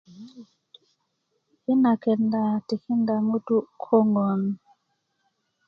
i na kenda tikinda ŋutu' koŋön